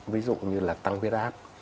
ví dụ như là tăng viết áp